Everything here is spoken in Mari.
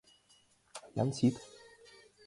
Янсит.